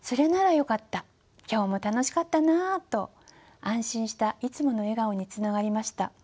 今日も楽しかったな」と安心したいつもの笑顔につながりました。